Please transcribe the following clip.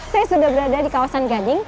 saya sudah berada di kawasan gading